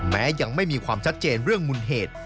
แม้ยังไม่มีความชัดเจนเรื่องมูลเหตุ